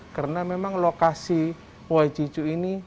karena memang lokasi wajicu ini